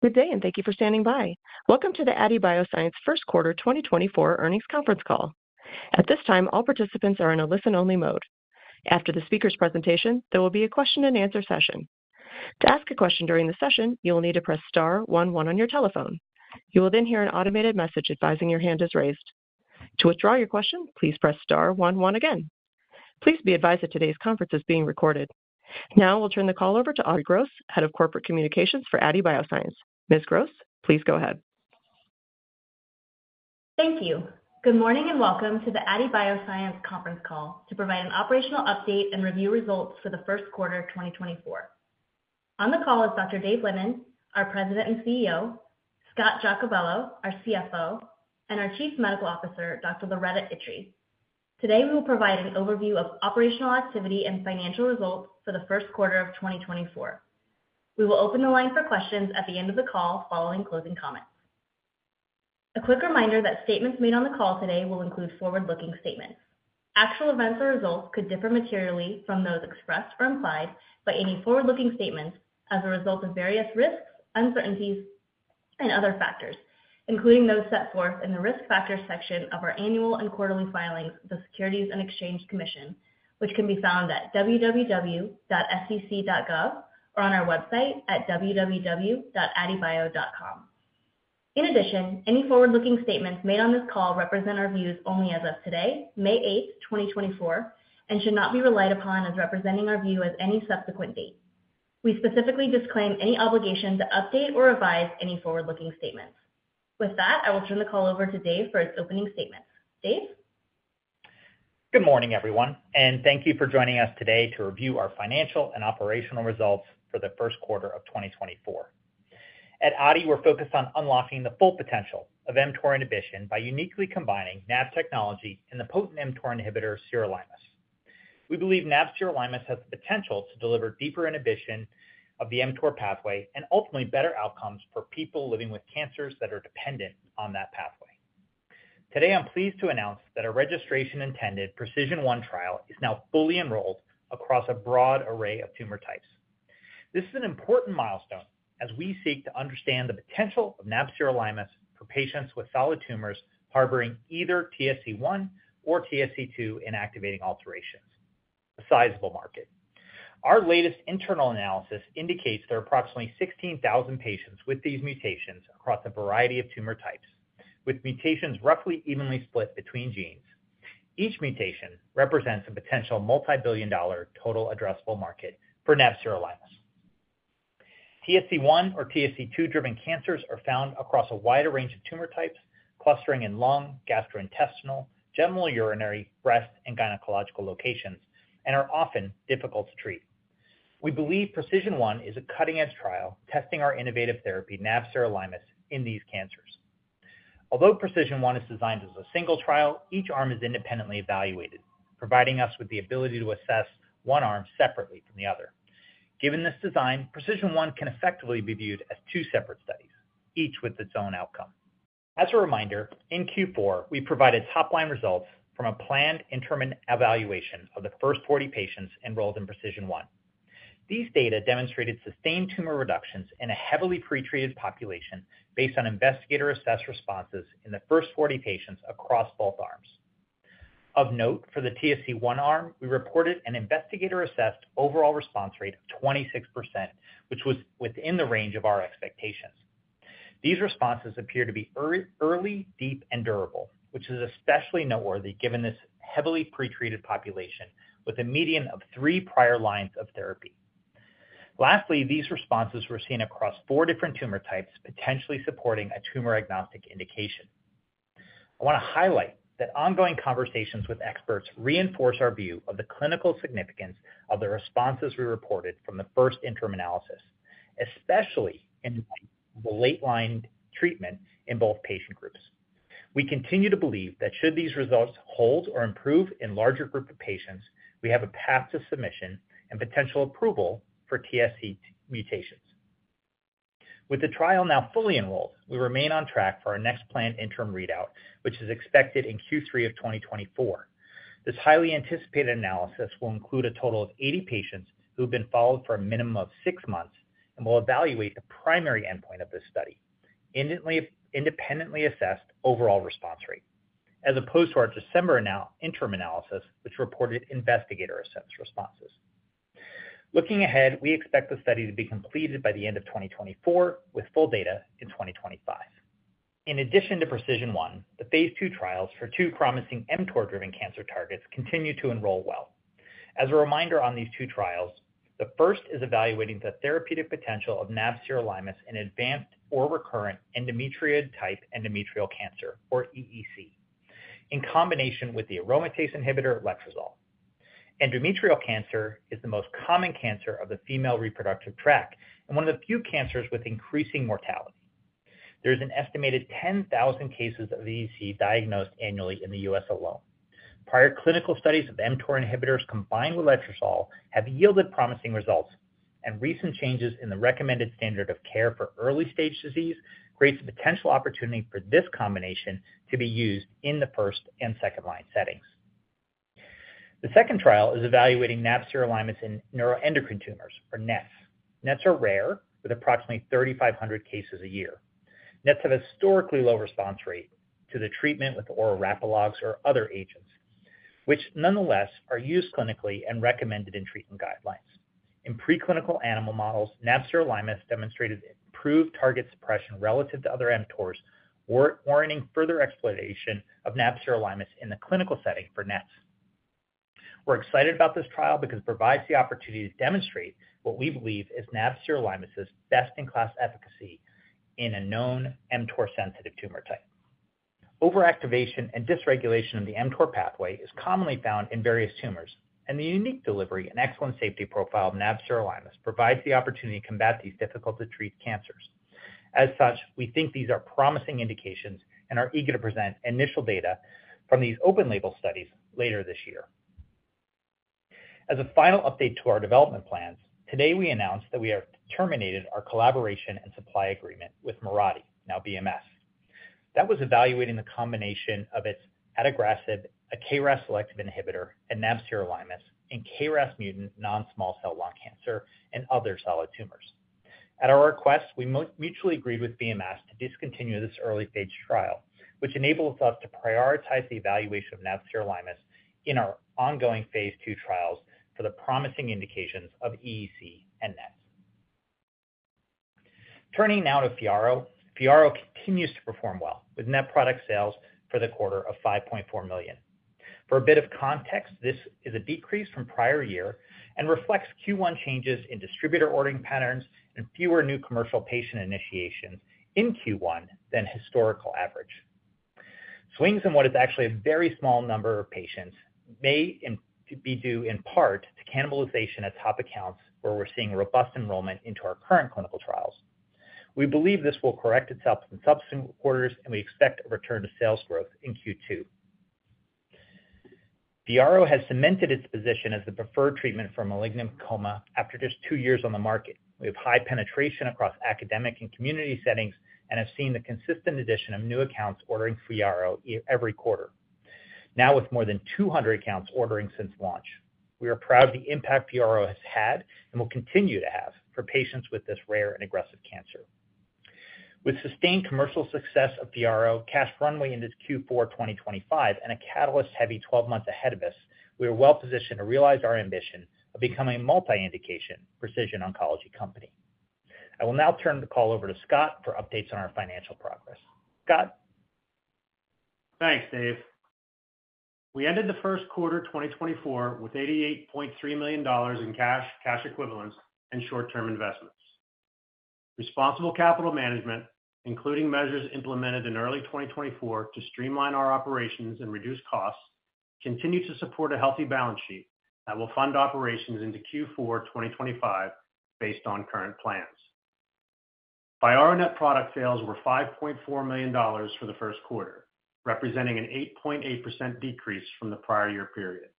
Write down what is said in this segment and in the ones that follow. Good day and thank you for standing by. Welcome to the Aadi Bioscience First Quarter 2024 Earnings Conference Call. At this time, all participants are in a listen-only mode. After the speaker's presentation, there will be a question-and-answer session. To ask a question during the session, you will need to press star one one on your telephone. You will then hear an automated message advising your hand is raised. To withdraw your question, please press star one one again. Please be advised that today's conference is being recorded. Now we'll turn the call over to Audrey Gross, Head of Corporate Communications for Aadi Bioscience. Ms. Gross, please go ahead. Thank you. Good morning and welcome to the Aadi Bioscience conference call to provide an operational update and review results for the first quarter 2024. On the call is Dr. Dave Lennon, our President and CEO, Scott Giacobello, our CFO, and our Chief Medical Officer, Dr. Loretta Itri. Today we will provide an overview of operational activity and financial results for the first quarter of 2024. We will open the line for questions at the end of the call following closing comments. A quick reminder that statements made on the call today will include forward-looking statements. Actual events or results could differ materially from those expressed or implied by any forward-looking statements as a result of various risks, uncertainties, and other factors, including those set forth in the Risk Factors section of our annual and quarterly filings to the Securities and Exchange Commission, which can be found at www.sec.gov or on our website at www.aadibio.com. In addition, any forward-looking statements made on this call represent our views only as of today, May 8, 2024, and should not be relied upon as representing our view as any subsequent date. We specifically disclaim any obligation to update or revise any forward-looking statements. With that, I will turn the call over to Dave for his opening statements. Dave? Good morning, everyone, and thank you for joining us today to review our financial and operational results for the first quarter of 2024. At Aadi, we're focused on unlocking the full potential of mTOR inhibition by uniquely combining nab-sirolimus technology and the potent mTOR inhibitor, sirolimus. We believe nab-sirolimus has the potential to deliver deeper inhibition of the mTOR pathway and ultimately better outcomes for people living with cancers that are dependent on that pathway. Today, I'm pleased to announce that our registration-intended PrecisionOne trial is now fully enrolled across a broad array of tumor types. This is an important milestone as we seek to understand the potential of nab-sirolimus for patients with solid tumors harboring either TSC1 or TSC2 inactivating alterations. A sizable market. Our latest internal analysis indicates there are approximately 16,000 patients with these mutations across a variety of tumor types, with mutations roughly evenly split between genes. Each mutation represents a potential multibillion-dollar total addressable market for nab-sirolimus. TSC1 or TSC2-driven cancers are found across a wider range of tumor types, clustering in lung, gastrointestinal, genitourinary, breast, and gynecological locations, and are often difficult to treat. We believe PrecisionOne is a cutting-edge trial testing our innovative therapy, nab-sirolimus, in these cancers. Although PrecisionOne is designed as a single trial, each arm is independently evaluated, providing us with the ability to assess one arm separately from the other. Given this design, PrecisionOne can effectively be viewed as two separate studies, each with its own outcome. As a reminder, in Q4, we provided top-line results from a planned interim evaluation of the first 40 patients enrolled in PrecisionOne. These data demonstrated sustained tumor reductions in a heavily pretreated population based on investigator-assessed responses in the first 40 patients across both arms. Of note, for the TSC1 arm, we reported an investigator-assessed overall response rate of 26%, which was within the range of our expectations. These responses appear to be early, deep, and durable, which is especially noteworthy given this heavily pretreated population with a median of three prior lines of therapy. Lastly, these responses were seen across four different tumor types, potentially supporting a tumor-agnostic indication. I want to highlight that ongoing conversations with experts reinforce our view of the clinical significance of the responses we reported from the first interim analysis, especially in light of the late-line treatment in both patient groups. We continue to believe that should these results hold or improve in larger groups of patients, we have a path to submission and potential approval for TSC mutations. With the trial now fully enrolled, we remain on track for our next planned interim readout, which is expected in Q3 of 2024. This highly anticipated analysis will include a total of 80 patients who have been followed for a minimum of six months and will evaluate the primary endpoint of this study: independently assessed overall response rate, as opposed to our December interim analysis which reported investigator-assessed responses. Looking ahead, we expect the study to be completed by the end of 2024, with full data in 2025. In addition to PrecisionOne, the phase II trials for two promising mTOR-driven cancer targets continue to enroll well. As a reminder on these two trials, the first is evaluating the therapeutic potential of nab-sirolimus in advanced or recurrent endometrioid-type endometrial cancer, or EEC, in combination with the aromatase inhibitor, letrozole. Endometrial cancer is the most common cancer of the female reproductive tract and one of the few cancers with increasing mortality. There are an estimated 10,000 cases of EEC diagnosed annually in the U.S. alone. Prior clinical studies of mTOR inhibitors combined with letrozole have yielded promising results, and recent changes in the recommended standard of care for early-stage disease create the potential opportunity for this combination to be used in the first and second-line settings. The second trial is evaluating nab-sirolimus in neuroendocrine tumors, or NETs. NETs are rare, with approximately 3,500 cases a year. NETs have a historically low response rate to the treatment with oral rapalogs or other agents, which nonetheless are used clinically and recommended in treatment guidelines. In preclinical animal models, nab-sirolimus demonstrated improved target suppression relative to other mTORs, warranting further exploitation of nab-sirolimus in the clinical setting for NETs. We're excited about this trial because it provides the opportunity to demonstrate what we believe is nab-sirolimus's best-in-class efficacy in a known mTOR-sensitive tumor type. Overactivation and dysregulation of the mTOR pathway is commonly found in various tumors, and the unique delivery and excellent safety profile of nab-sirolimus provides the opportunity to combat these difficult-to-treat cancers. As such, we think these are promising indications and are eager to present initial data from these open-label studies later this year. As a final update to our development plans, today we announced that we have terminated our collaboration and supply agreement with Mirati, now BMS. That was evaluating the combination of its adagrasib, a KRAS selective inhibitor, and nab-sirolimus in KRAS mutant non-small cell lung cancer and other solid tumors. At our request, we mutually agreed with BMS to discontinue this early-stage trial, which enables us to prioritize the evaluation of nab-sirolimus in our ongoing Phase II trials for the promising indications of EEC and NETs. Turning now to Fyarro, Fyarro continues to perform well, with net product sales for the quarter of $5.4 million. For a bit of context, this is a decrease from prior year and reflects Q1 changes in distributor ordering patterns and fewer new commercial patient initiations in Q1 than historical average. Swings in what is actually a very small number of patients may be due in part to cannibalization at top accounts, where we're seeing robust enrollment into our current clinical trials. We believe this will correct itself in subsequent quarters, and we expect a return to sales growth in Q2. Fyarro has cemented its position as the preferred treatment for malignant PEComa after just two years on the market. We have high penetration across academic and community settings and have seen the consistent addition of new accounts ordering Fyarro every quarter, now with more than 200 accounts ordering since launch. We are proud of the impact Fyarro has had and will continue to have for patients with this rare and aggressive cancer. With sustained commercial success of Fyarro, cash runway into Q4 2025, and a catalyst-heavy 12 months ahead of us, we are well positioned to realize our ambition of becoming a multi-indication precision oncology company. I will now turn the call over to Scott for updates on our financial progress. Scott? Thanks, Dave. We ended the first quarter 2024 with $88.3 million in cash, cash equivalents, and short-term investments. Responsible capital management, including measures implemented in early 2024 to streamline our operations and reduce costs, continued to support a healthy balance sheet that will fund operations into Q4 2025 based on current plans. Fyarro net product sales were $5.4 million for the first quarter, representing an 8.8% decrease from the prior year period.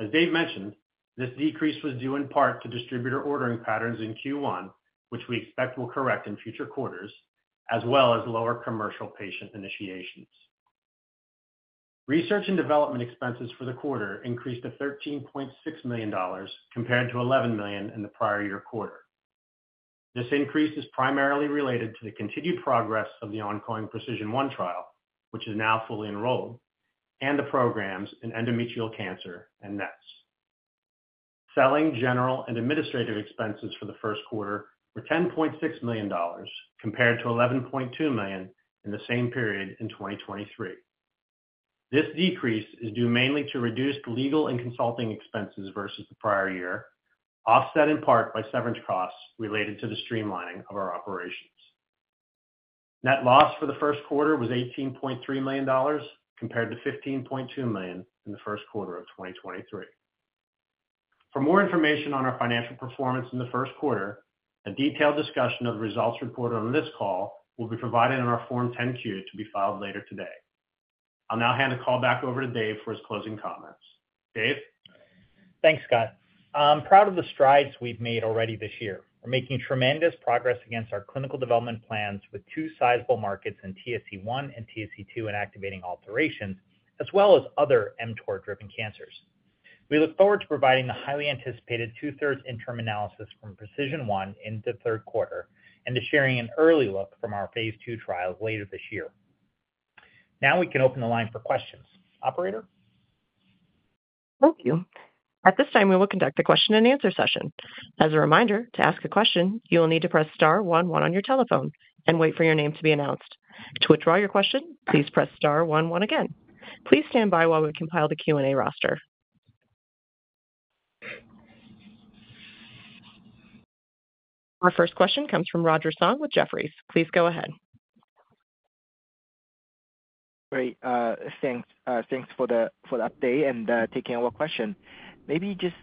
As Dave mentioned, this decrease was due in part to distributor ordering patterns in Q1, which we expect will correct in future quarters, as well as lower commercial patient initiations. Research and development expenses for the quarter increased to $13.6 million compared to $11 million in the prior year quarter. This increase is primarily related to the continued progress of the ongoing PrecisionOne trial, which is now fully enrolled, and the programs in endometrial cancer and NETs. Selling, general, and administrative expenses for the first quarter were $10.6 million compared to $11.2 million in the same period in 2023. This decrease is due mainly to reduced legal and consulting expenses versus the prior year, offset in part by severance costs related to the streamlining of our operations. Net loss for the first quarter was $18.3 million compared to $15.2 million in the first quarter of 2023. For more information on our financial performance in the first quarter, a detailed discussion of the results reported on this call will be provided in our Form 10-Q to be filed later today. I'll now hand the call back over to Dave for his closing comments. Dave? Thanks, Scott. I'm proud of the strides we've made already this year. We're making tremendous progress against our clinical development plans with two sizable markets in TSC1 and TSC2 inactivating alterations, as well as other mTOR-driven cancers. We look forward to providing the highly anticipated two-thirds interim analysis from PrecisionOne into third quarter and to sharing an early look from our phase II trials later this year. Now we can open the line for questions. Operator? Thank you. At this time, we will conduct a question-and-answer session. As a reminder, to ask a question, you will need to press star one one on your telephone and wait for your name to be announced. To withdraw your question, please press star one one again. Please stand by while we compile the Q&A roster. Our first question comes from Roger Song with Jefferies. Please go ahead. Great. Thanks for the update and taking all questions. Maybe just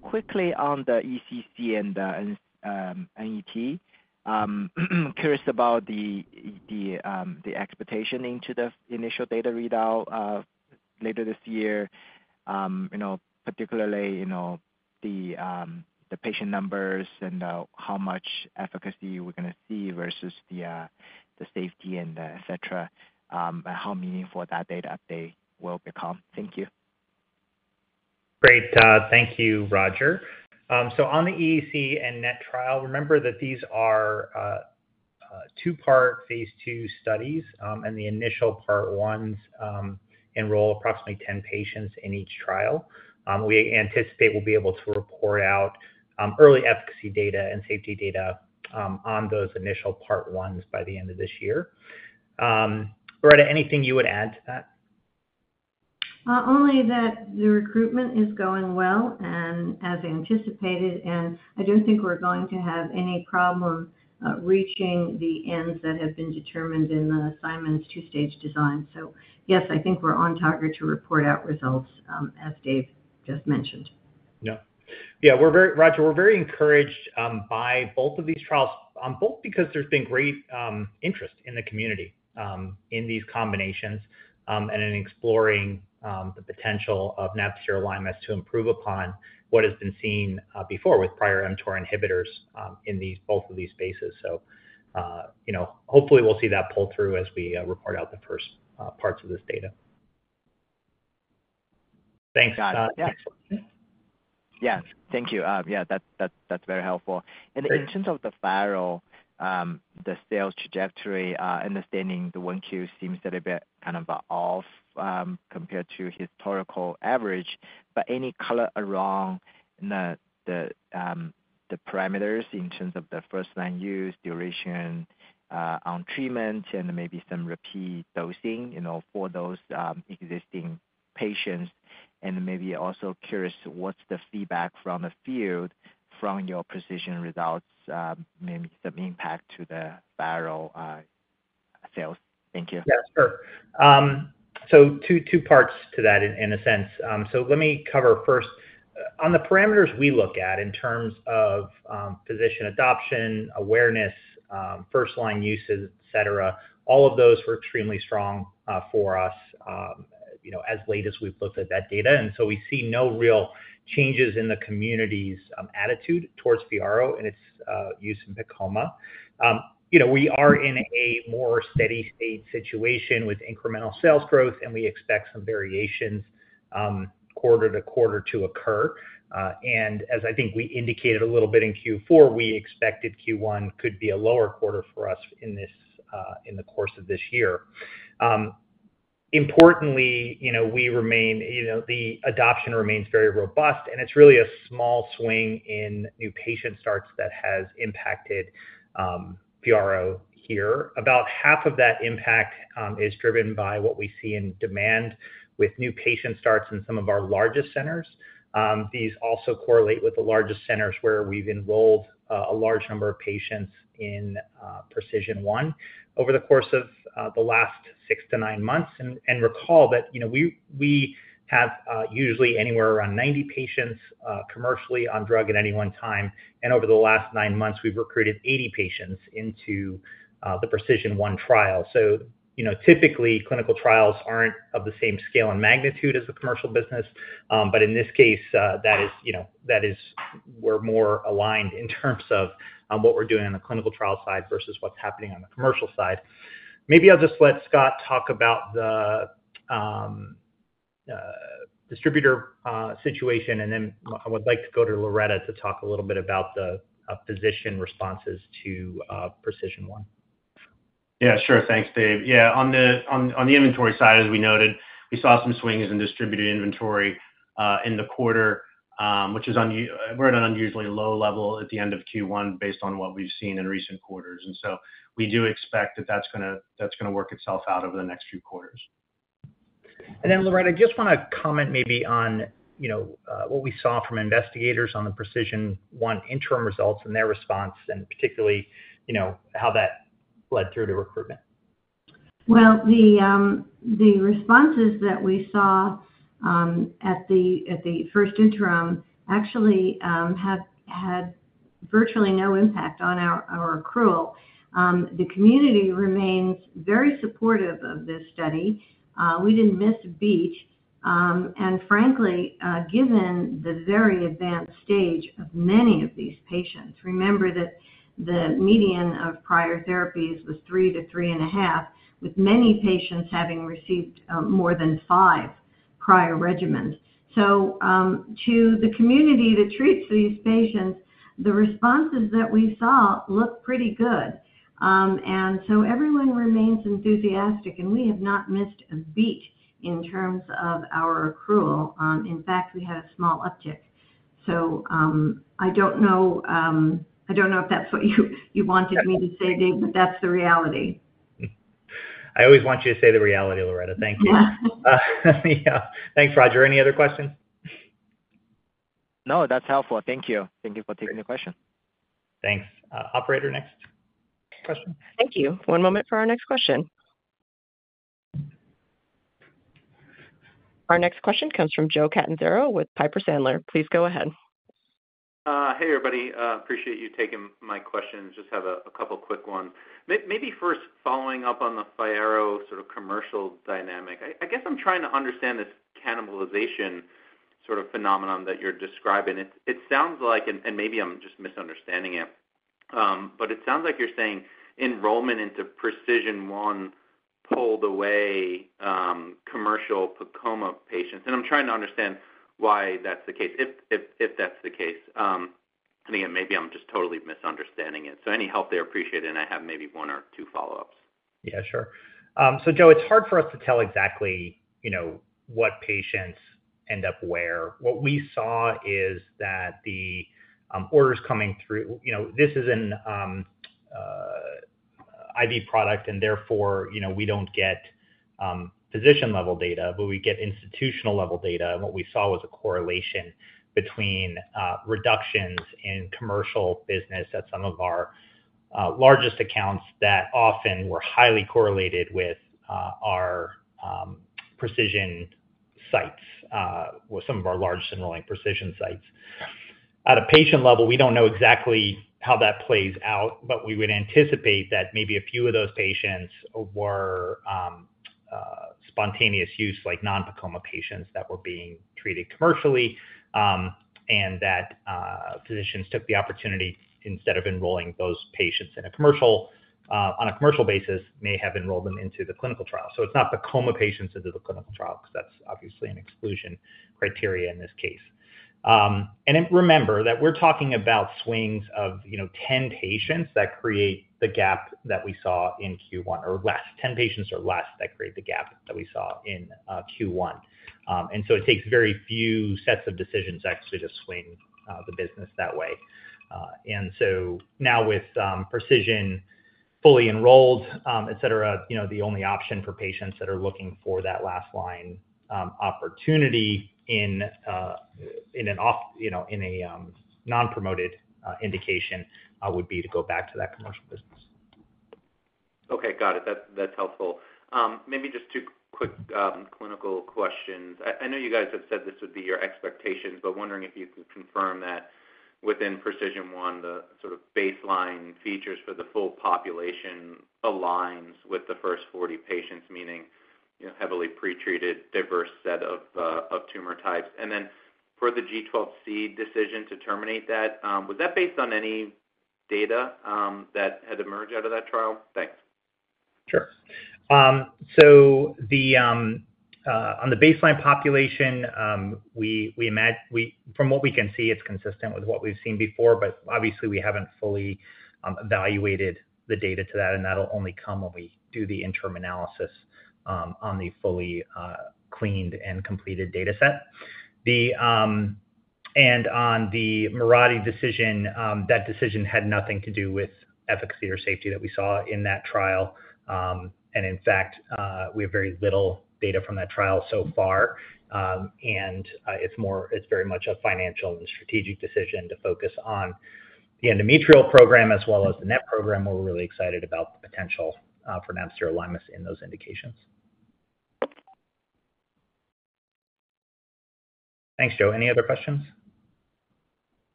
quickly on the EEC and NET. Curious about the expectation into the initial data readout later this year, particularly the patient numbers and how much efficacy we're going to see versus the safety, etc., and how meaningful that data update will become. Thank you. Great. Thank you, Roger. So on the EEC and NET trial, remember that these are two-part phase II studies, and the initial Part I's enroll approximately 10 patients in each trial. We anticipate we'll be able to report out early efficacy data and safety data on those initial Part I's by the end of this year. Loretta, anything you would add to that? Only that the recruitment is going well and as anticipated, and I don't think we're going to have any problem reaching the n's that have been determined in the Simon two-stage design. So yes, I think we're on target to report out results, as Dave just mentioned. Yeah. Yeah, Roger, we're very encouraged by both of these trials, both because there's been great interest in the community in these combinations and in exploring the potential of nab-sirolimus to improve upon what has been seen before with prior mTOR inhibitors in both of these spaces. So hopefully, we'll see that pull through as we report out the first parts of this data. Thanks. Yes. Thank you. Yeah, that's very helpful. In terms of the Fyarro, the sales trajectory, understanding the Q1 seems a little bit kind of off compared to historical average, but any color around the parameters in terms of the first-line use, duration on treatment, and maybe some repeat dosing for those existing patients, and maybe also curious what's the feedback from the field from your precision results, maybe some impact to the Fyarro sales. Thank you. Yeah, sure. So two parts to that in a sense. So let me cover first. On the parameters we look at in terms of physician adoption, awareness, first-line uses, etc., all of those were extremely strong for us as late as we've looked at that data. And so we see no real changes in the community's attitude towards Fyarro and its use in PEComa. We are in a more steady-state situation with incremental sales growth, and we expect some variations quarter to quarter to occur. And as I think we indicated a little bit in Q4, we expected Q1 could be a lower quarter for us in the course of this year. Importantly, the adoption remains very robust, and it's really a small swing in new patient starts that has impacted Fyarro here. About half of that impact is driven by what we see in demand with new patient starts in some of our largest centers. These also correlate with the largest centers where we've enrolled a large number of patients in PrecisionOne over the course of the last six to nine months. Recall that we have usually anywhere around 90 patients commercially on drug at any one time, and over the last 9 months, we've recruited 80 patients into the PrecisionOne trial. Typically, clinical trials aren't of the same scale and magnitude as the commercial business, but in this case, that is where more aligned in terms of what we're doing on the clinical trial side versus what's happening on the commercial side. Maybe I'll just let Scott talk about the distributor situation, and then I would like to go to Loretta to talk a little bit about the physician responses to PrecisionOne. Yeah, sure. Thanks, Dave. Yeah, on the inventory side, as we noted, we saw some swings in distributed inventory in the quarter, which is, we're at an unusually low level at the end of Q1 based on what we've seen in recent quarters. And so we do expect that that's going to work itself out over the next few quarters. Then, Loretta, I just want to comment maybe on what we saw from investigators on the PrecisionOne interim results and their response, and particularly how that led through to recruitment. Well, the responses that we saw at the first interim actually had virtually no impact on our accrual. The community remains very supportive of this study. We didn't miss a beat. And frankly, given the very advanced stage of many of these patients, remember that the median of prior therapies was 3-3.5, with many patients having received more than five prior regimens. So to the community that treats these patients, the responses that we saw look pretty good. And so everyone remains enthusiastic, and we have not missed a beat in terms of our accrual. In fact, we had a small uptick. So I don't know if that's what you wanted me to say, Dave, but that's the reality. I always want you to say the reality, Loretta. Thank you. Yeah. Thanks, Roger. Any other questions? No, that's helpful. Thank you. Thank you for taking the question. Thanks. Operator next. Question? Thank you. One moment for our next question. Our next question comes from Joe Catanzaro with Piper Sandler. Please go ahead. Hey, everybody. Appreciate you taking my questions. Just have a couple of quick ones. Maybe first, following up on the Fyarro sort of commercial dynamic. I guess I'm trying to understand this cannibalization sort of phenomenon that you're describing. It sounds like and maybe I'm just misunderstanding it, but it sounds like you're saying enrollment into PrecisionOne pulled away commercial PEComa patients. And I'm trying to understand why that's the case, if that's the case. And again, maybe I'm just totally misunderstanding it. So any help there appreciated, and I have maybe one or two follow-ups. Yeah, sure. So Joe, it's hard for us to tell exactly what patients end up where. What we saw is that the orders coming through this is an IV product, and therefore, we don't get physician-level data, but we get institutional-level data. And what we saw was a correlation between reductions in commercial business at some of our largest accounts that often were highly correlated with our precision sites, some of our largest enrolling precision sites. At a patient level, we don't know exactly how that plays out, but we would anticipate that maybe a few of those patients were spontaneous use, like non-PEComa patients that were being treated commercially, and that physicians took the opportunity instead of enrolling those patients on a commercial basis, may have enrolled them into the clinical trial. So it's not PEComa patients into the clinical trial because that's obviously an exclusion criteria in this case. Remember that we're talking about swings of 10 patients that create the gap that we saw in Q1 or less. 10 patients or less that create the gap that we saw in Q1. So it takes very few sets of decisions actually to swing the business that way. Now with Precision fully enrolled, etc., the only option for patients that are looking for that last-line opportunity in a non-promoted indication would be to go back to that commercial business. Okay. Got it. That's helpful. Maybe just two quick clinical questions. I know you guys have said this would be your expectations, but wondering if you can confirm that within PrecisionOne, the sort of baseline features for the full population aligns with the first 40 patients, meaning heavily pretreated, diverse set of tumor types. And then for the G12C decision to terminate that, was that based on any data that had emerged out of that trial? Thanks. Sure. So on the baseline population, from what we can see, it's consistent with what we've seen before, but obviously, we haven't fully evaluated the data to that, and that'll only come when we do the interim analysis on the fully cleaned and completed dataset. And on the Mirati decision, that decision had nothing to do with efficacy or safety that we saw in that trial. And in fact, we have very little data from that trial so far. And it's very much a financial and strategic decision to focus on the endometrial program as well as the NET program, where we're really excited about the potential for nab-sirolimus in those indications. Thanks, Joe. Any other questions?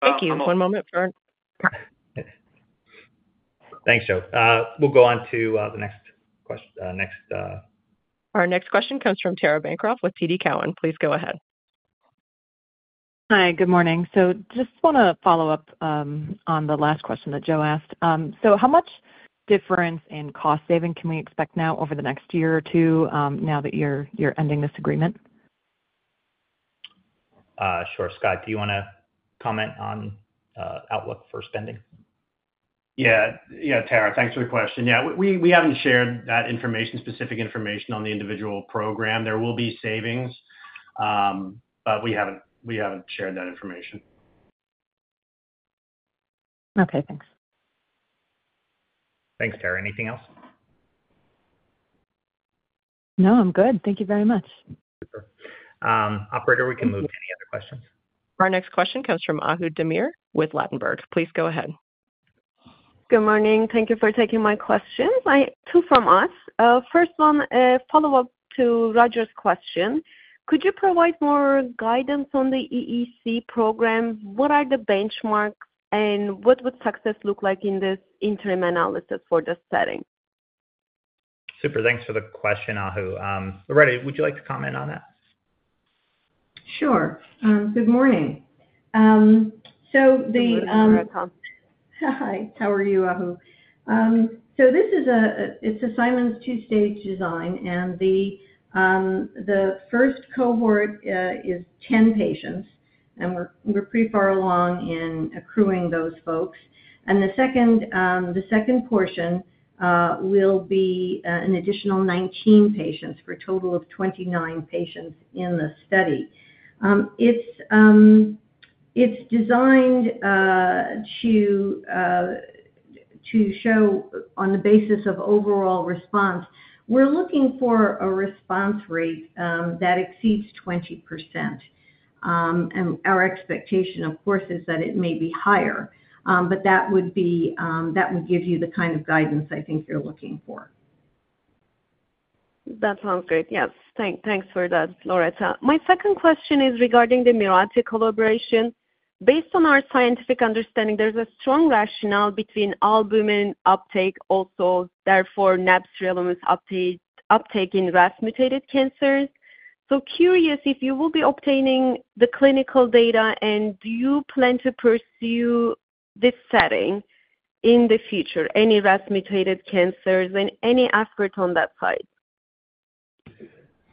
Thank you. One moment, Jared. Thanks, Joe. We'll go on to the next question. Our next question comes from Tara Bancroft with TD Cowen. Please go ahead. Hi. Good morning. Just want to follow up on the last question that Joe asked. How much difference in cost saving can we expect now over the next year or two now that you're ending this agreement? Sure. Scott, do you want to comment on outlook for spending? Yeah. Yeah, Tara, thanks for the question. Yeah, we haven't shared that information, specific information on the individual program. There will be savings, but we haven't shared that information. Okay. Thanks. Thanks, Tara. Anything else? No, I'm good. Thank you very much. Super. Operator, we can move to any other questions. Our next question comes from Ahu Demir with Ladenburg. Please go ahead. Good morning. Thank you for taking my questions. Two from us. First one, a follow-up to Roger's question. Could you provide more guidance on the EEC program? What are the benchmarks, and what would success look like in this interim analysis for this setting? Super. Thanks for the question, Ahu. Loretta, would you like to comment on that? Sure. Good morning. Hello, Loretta. Hi. How are you, Ahu? So it's a Simon's two-stage design, and the first cohort is 10 patients, and we're pretty far along in accruing those folks. And the second portion will be an additional 19 patients for a total of 29 patients in the study. It's designed to show, on the basis of overall response, we're looking for a response rate that exceeds 20%. And our expectation, of course, is that it may be higher, but that would give you the kind of guidance I think you're looking for. That sounds great. Yes. Thanks for that, Loretta. My second question is regarding the Mirati collaboration. Based on our scientific understanding, there's a strong rationale between albumin uptake, also therefore nab-sirolimus uptake in RAS mutated cancers. So curious if you will be obtaining the clinical data, and do you plan to pursue this setting in the future, any RAS mutated cancers and any effort on that side?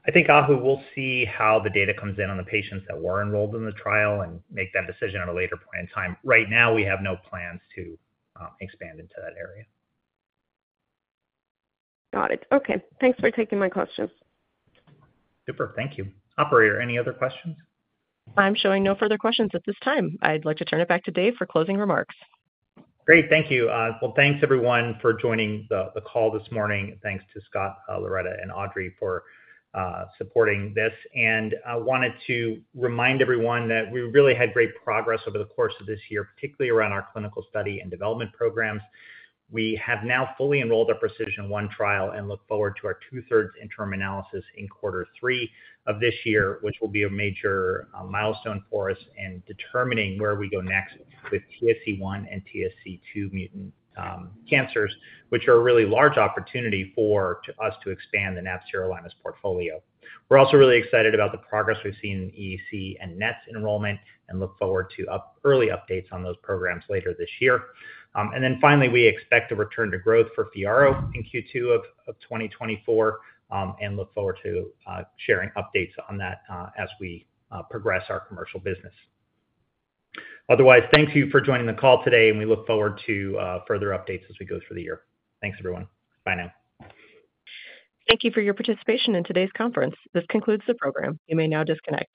I think, Ahu, we'll see how the data comes in on the patients that were enrolled in the trial and make that decision at a later point in time. Right now, we have no plans to expand into that area. Got it. Okay. Thanks for taking my questions. Super. Thank you. Operator, any other questions? I'm showing no further questions at this time. I'd like to turn it back to Dave for closing remarks. Great. Thank you. Well, thanks, everyone, for joining the call this morning. Thanks to Scott, Loretta, and Audrey for supporting this. I wanted to remind everyone that we really had great progress over the course of this year, particularly around our clinical study and development programs. We have now fully enrolled our PrecisionOne trial and look forward to our two-thirds interim analysis in quarter three of this year, which will be a major milestone for us in determining where we go next with TSC1 and TSC2 mutant cancers, which are a really large opportunity for us to expand the nab-sirolimus portfolio. We're also really excited about the progress we've seen in EEC and NETs enrollment and look forward to early updates on those programs later this year. And then finally, we expect a return to growth for Fyarro in Q2 of 2024 and look forward to sharing updates on that as we progress our commercial business. Otherwise, thanks to you for joining the call today, and we look forward to further updates as we go through the year. Thanks, everyone. Bye now. Thank you for your participation in today's conference. This concludes the program. You may now disconnect.